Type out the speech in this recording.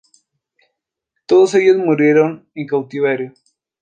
Todos ellos murieron en cautiverio.